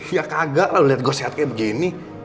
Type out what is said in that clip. ya kagak lah lo liat gua sehat kayak begini